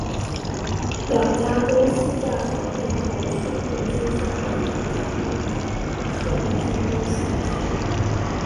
两家公司在合并后宣布接下来要在孟买设立分公司的计划。